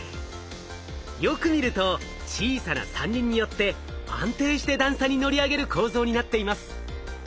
よく見ると小さな３輪によって安定して段差に乗り上げる構造になっています。